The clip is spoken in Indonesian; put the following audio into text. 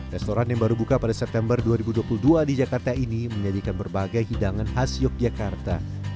restoran yang baru buka pada september dua ribu dua puluh dua di jakarta ini menyajikan berbagai hidangan khas yogyakarta